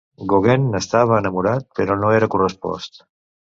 Gauguin n'estava enamorat però no era correspost.